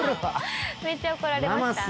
めっちゃ怒られました。